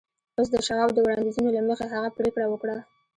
اوس د شواب د وړانديزونو له مخې هغه پرېکړه وکړه.